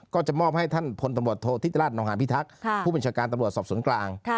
ก็จะมอบให้ท่านพลตำรวจโทษธิตราชนองหาพิทักษ์ผู้บัญชาการตำรวจสอบสวนกลาง